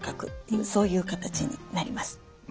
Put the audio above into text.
そういう形になります。